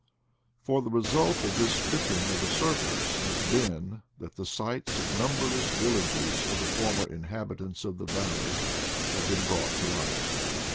For the result of this strip ping of the surface has been that the sites of numberless villages of the former inhabitants of the valley have been brought to light.